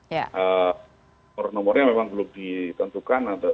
nomor nomornya memang belum ditentukan